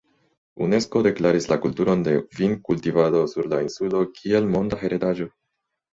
Unesko deklaris la kulturon de vinkultivado sur la insulo kiel monda heredaĵo.